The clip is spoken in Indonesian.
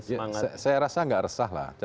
ya saya rasa nggak resah lah